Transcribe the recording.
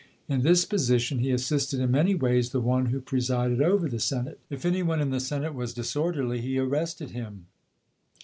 In this position, he assisted in many ways the one who presided over the Senate. If any one in the Senate was disor derly, he arrested him.